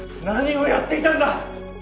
何をやっていたんだ！